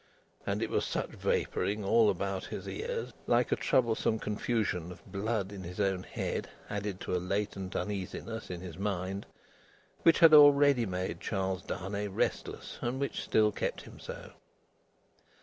And it was such vapouring all about his ears, like a troublesome confusion of blood in his own head, added to a latent uneasiness in his mind, which had already made Charles Darnay restless, and which still kept him so.